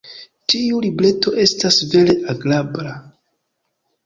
Tiu libreto estas vere agrabla.